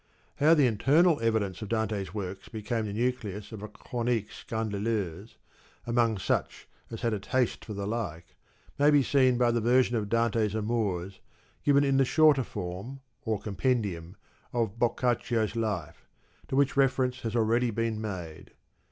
How the internal evidence of Dante's works became the nucleus of a chronique scandaleuse, amongst such as had a taste for the like, may be seen by the version of Dante's amours, given in the shorter form, or Compen dium, of Boccaccio's Life, to which reference has al ready been made.